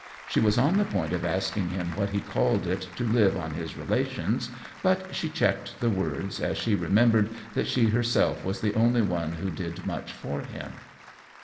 She was on the point of asking him what he called it to live on his relations, but she checked the words, as she remembered that she herself was the only one who did much for him.